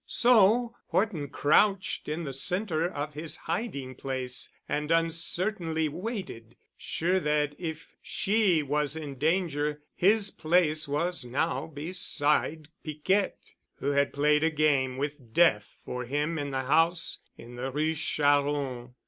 So Horton crouched in the center of his hiding place and uncertainly waited, sure that if she was in danger his place was now beside Piquette, who had played a game with death for him in the house in the Rue Charron.